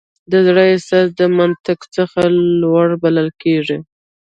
د زړه احساس د منطق څخه لوړ بلل کېږي.